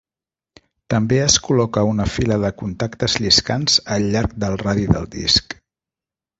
També es col·loca una fila de contactes lliscants al llarg del radi del disc.